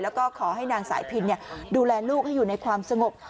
แล้วก็ขอให้นางสายพินดูแลลูกให้อยู่ในความสงบ